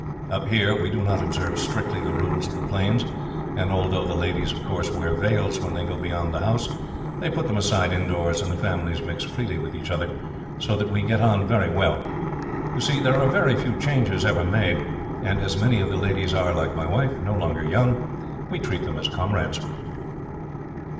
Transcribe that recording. Up here, we do not observe strictly the rules of the plains, and although the ladies, of course, wear veils when they go beyond the house, they put them aside indoors, and the families mix freely with each other, so that we get on very well. You see, there are very few changes ever made, and as many of the ladies are, like my wife, no longer young, we treat them as comrades."